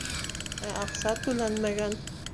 Ә аҡса түләнмәгән.